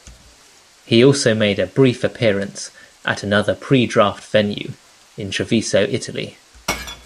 He also made a brief appearance at another pre-draft venue, in Treviso, Italy.